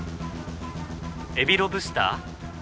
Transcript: エビロブスター？